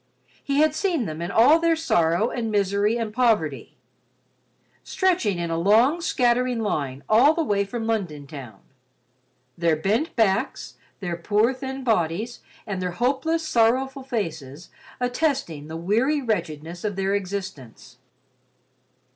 He had seen them in all their sorrow and misery and poverty—stretching a long, scattering line all the way from London town. Their bent backs, their poor thin bodies and their hopeless, sorrowful faces attesting the weary wretchedness of their existence.